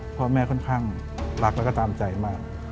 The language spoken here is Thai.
พ่อแม่ค่อนข้างรักแล้วก็ตามใจมาก